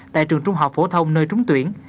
tại trường trung học phổ thông nơi trúng tuyển